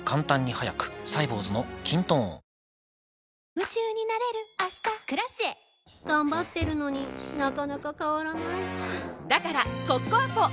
夢中になれる明日「Ｋｒａｃｉｅ」頑張ってるのになかなか変わらないはぁだからコッコアポ！